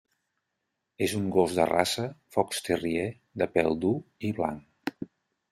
És un gos de raça, Fox terrier de pèl dur i blanc.